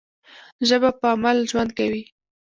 ژبه په عمل ژوند کوي.